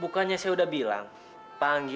kalau melambes kavalian